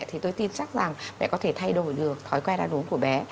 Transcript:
thì tôi tin chắc rằng mẹ có thể thay đổi được thói quen ăn uống của bé